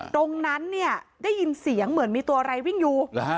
ตรงนั้นเนี่ยได้ยินเสียงเหมือนมีตัวอะไรวิ่งอยู่